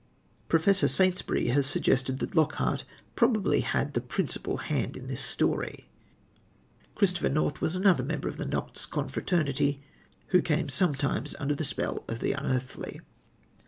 Professor Saintsbury has suggested that Lockhart probably had the principal hand in this story. "Christopher North" was another member of the Noctes confraternity who came sometimes under the spell of the unearthly.